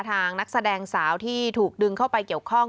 นักแสดงสาวที่ถูกดึงเข้าไปเกี่ยวข้อง